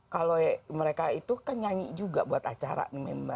kalau mereka itu kan nyanyi juga buat acara nih mbak